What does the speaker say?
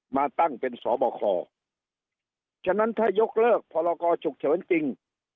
มาตั้งเป็นสบคฉะนั้นถ้ายกเลิกพรกรฉุกเฉินจริง